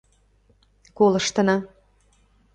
Колыштына.